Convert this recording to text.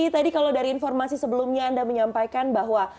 tadi kalau dari informasi sebelumnya anda menyampaikan bahwa